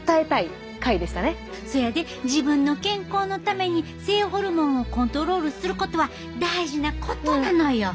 そやで自分の健康のために性ホルモンをコントロールすることは大事なことなのよ。